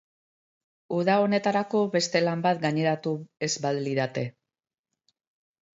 Uda honetarako beste lan bat gaineratu ez balidate.